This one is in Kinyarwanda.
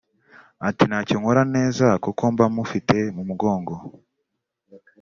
Ati “ Ntacyo nkora neza kuko mba mufite mu mugongo